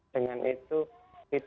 dengan itu kita harapannya menghimbau